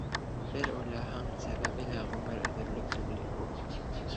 Бер уйлаһаң, сәбәбе лә ғүмер өҙөрлөк түгел кеүек.